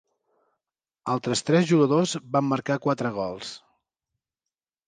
Altres tres jugadors van marcar quatre gols.